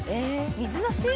水なし？